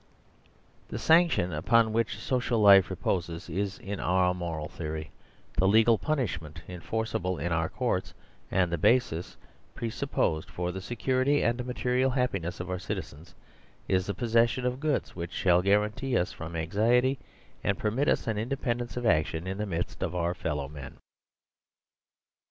The sanction upon which social life reposes is, in our moral theory, the legal punishment enforceable in our Courts, and the basis presupposed for the se curity and material happiness of our citizens is the possession of goods which shall guarantee us from anxiety and permit us an independence of action in the midst of our fellowmen.